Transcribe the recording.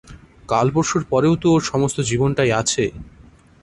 কাল-পরশুর পরেও তো ওর সমস্ত জীবনটাই আছে।